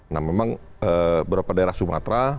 nah memang beberapa daerah sumatera